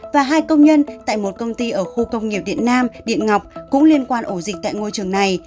và hai công nhân tại một công ty ở khu công nghiệp điện nam điện ngọc cũng liên quan ổ dịch tại ngôi trường này